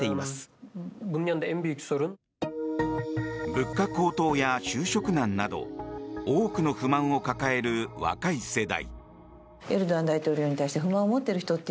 物価高騰や就職難など多くの不満を抱える若い世代。